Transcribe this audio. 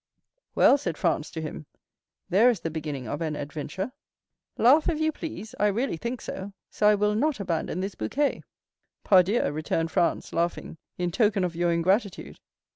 "Well," said Franz to him; "there is the beginning of an adventure." "Laugh if you please—I really think so. So I will not abandon this bouquet." "Pardieu," returned Franz, laughing, "in token of your ingratitude."